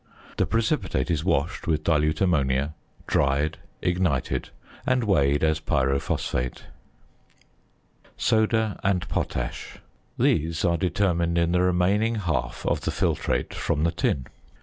The precipitate is washed with dilute ammonia, dried, ignited, and weighed as pyrophosphate. ~Soda and Potash.~ These are determined in the remaining half of the filtrate from the tin.